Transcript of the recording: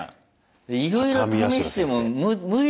でいろいろ試しても無理だよね。